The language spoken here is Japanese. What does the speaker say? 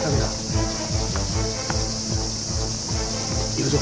いくぞ。